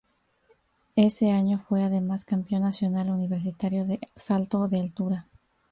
Ese año fue además campeón nacional universitario de salto de altura.